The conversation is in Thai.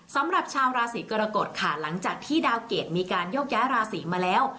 สำหรับชาวราศีกรกฎค่ะหลังจากที่ดาวเกรดมีการโยกย้ายราศีมาแล้ว